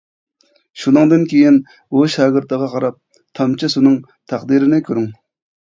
شۇنىڭدىن كېيىن ئۇ شاگىرتىغا قاراپ:-تامچە سۇنىڭ تەقدىرىنى كۆرۈڭ.